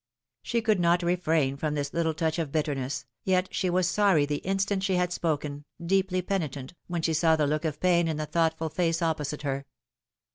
She could not refrain from this little touch of bitterness, yet she was sorry the instant she had spoken, deeply penitent, when she saw the look of pain in the thoughtful face opposite her.